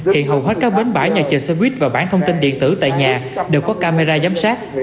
hiện hầu hết các bến bãi nhà chờ xe buýt và bản thông tin điện tử tại nhà đều có camera giám sát